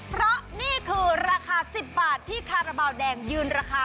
เพราะนี่คือราคา๑๐บาทที่คาราบาลแดงยืนราคา